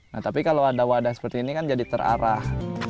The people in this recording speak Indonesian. nah tapi kalau ada wadah seperti ini kan jadi terarah